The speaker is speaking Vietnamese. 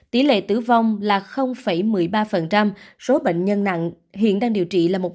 tỷ lệ tử vong là một mươi ba số bệnh nhân nặng hiện đang điều trị là một một mươi bốn